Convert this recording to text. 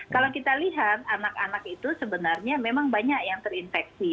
kalau kita lihat anak anak itu sebenarnya memang banyak yang terinfeksi